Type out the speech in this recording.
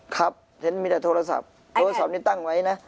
ครับเห็นมีแต่โทรศัพท์โทรศัพท์นี้ตั้งไว้นะ